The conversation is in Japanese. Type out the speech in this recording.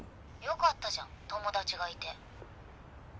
よかったじゃん友達がいて。